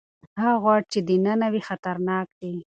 هغه غوړ چې دننه وي خطرناک دي.